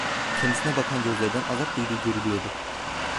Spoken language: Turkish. Kendisine bakan gözlerden azap duyduğu görülüyordu.